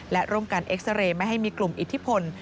และร่วมกันเอ็กซาเรย์ไม่ให้มีกลุ่มอิทธิพล